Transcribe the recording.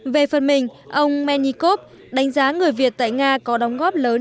về phần mình ông menikov đánh giá người việt tại nga có đóng góp lớn